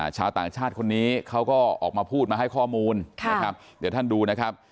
ชาวต่างชาติคนนี้เขาก็ออกมาพูดมาให้ข้อมูลนะครับเดี๋ยวท่านดูนะครับ